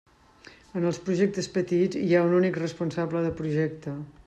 En els projectes petits hi ha un únic responsable de projecte.